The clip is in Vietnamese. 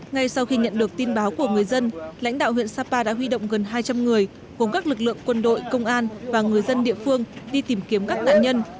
ngay sau khi nhận được tin báo của người dân lãnh đạo huyện sapa đã huy động gần hai trăm linh người gồm các lực lượng quân đội công an và người dân địa phương đi tìm kiếm các nạn nhân